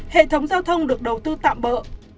hệ thống giao thông được đầu tư tạm bỡ